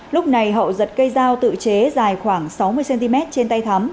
lúc này hậu giật cây dao tự chế dài khoảng sáu mươi cm trên tay thắm